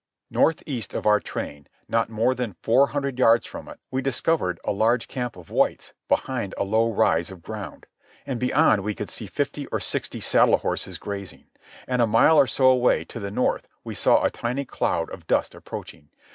North east of our train, not more than four hundred yards from it, we discovered a large camp of whites behind a low rise of ground. And beyond we could see fifty or sixty saddle horses grazing. And a mile or so away, to the north, we saw a tiny cloud of dust approaching.